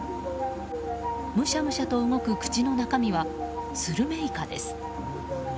むしゃむしゃと動く口の中身はスルメイカです。